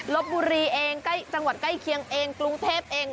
ลบบุรีเองใกล้จังหวัดใกล้เคียงเองกรุงเทพเอง